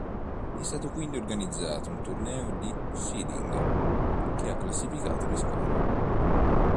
È stato quindi organizzato un torneo di seeding che ha classificato le squadre.